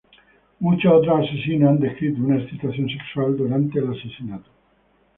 Muchos otros asesinos han descrito una excitación sexual durante el asesinato.